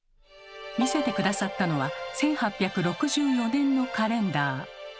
見せて下さったのは１８６４年のカレンダー。